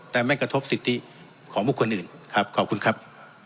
แต่ไม่กระทบสิทธิของบุคคลอื่นครับขอบคุณครับ